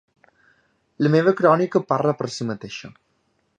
La meva crònica parla per si mateixa.